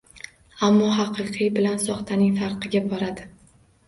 Ammo haqiqiy bilan soxtaning farqiga boradi.